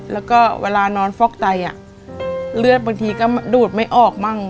แล้วก็เวลานอนฟอกไตเลือดบางทีก็ดูดไม่ออกมั่ง